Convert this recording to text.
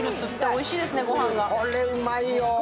おいしいですね、ご飯も。